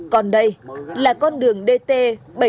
còn đây là con đường dt bảy trăm năm mươi ba b